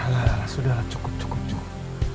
nah sudah lah cukup cukup cukup